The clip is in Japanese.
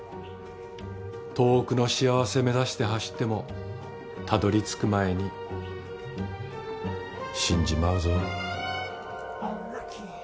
遠くの幸せ目指して走ってもたどり着く前に死んじまうぞ。